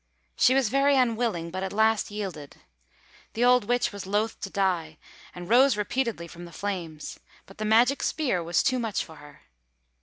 She was very unwilling, but at last yielded. The old witch was loath to die, and rose repeatedly from the flames; but the magic spear was too much for her.